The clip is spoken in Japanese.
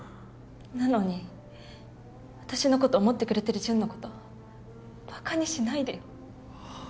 なのに私のこと思ってくれてるジュンのことバカにしないでよ。はっ？